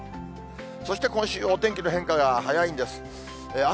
そして今週、お天気の変化が早いんです。